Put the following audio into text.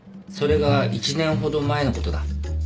それが１年ほど前のことだ。